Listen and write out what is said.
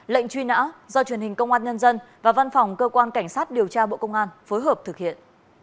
lệnh truy nã do truyền hình công an nhân dân và văn phòng cơ quan cảnh sát điều tra bộ công an phối hợp thực hiện